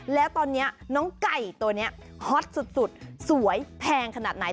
แล้วตอนนี้น้องไก่ตัวนี้ฮอตสุดสวยแพงขนาดไหน